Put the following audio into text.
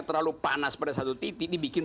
terlalu panas pada satu titik dibikin